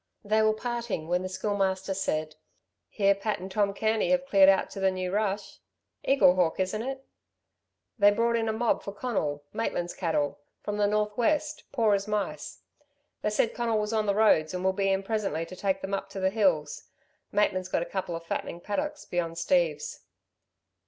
They were parting when the Schoolmaster said: "Hear Pat and Tom Kearney have cleared out to the new rush? Eaglehawk, isn't it? They brought in a mob for Conal Maitland's cattle from the North west, poor as mice. They said Conal was on the roads and will be in presently to take them up to the hills. Maitland's got a couple of fattening paddocks beyond Steve's."